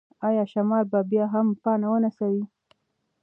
ایا شمال به بیا هم پاڼه ونڅوي؟